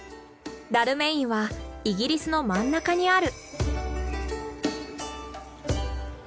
ダルメインはイギリスの真ん中にある。